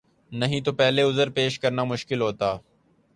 نہیں تو پہلے عذر پیش کرنا مشکل ہوتا۔